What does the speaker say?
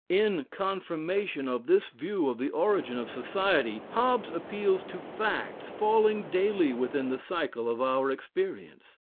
In confirmation of this view of the origin of society, Hobbes appeals to facts falling daily within the cycle of our experience.